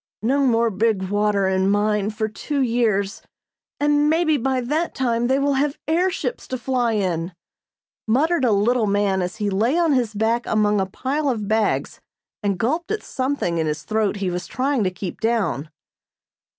"No more big water in mine for two years, and mebbe by that time they will have air ships to fly in," muttered a little man as he lay on his back among a pile of bags and gulped at something in his throat he was trying to keep down.